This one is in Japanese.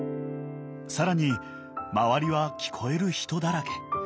更に周りは聞こえる人だらけ。